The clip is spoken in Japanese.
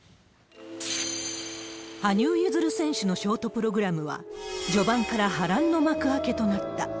羽生結弦選手のショートプログラムは、序盤から波乱の幕開けとなった。